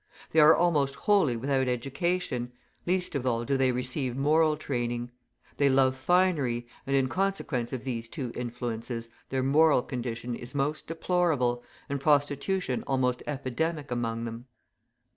They are almost wholly without education, least of all do they receive moral training. They love finery, and in consequence of these two influences their moral condition is most deplorable, and prostitution almost epidemic among them.